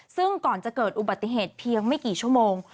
ซึ่งก่อนจะเกิดอุบัติเหตุเพียงไม่กี่ชั่วโมง